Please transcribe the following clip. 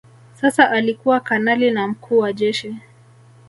Sasa alikuwa kanali na mkuu wa Jeshi